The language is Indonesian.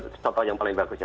itu contoh yang paling bagusnya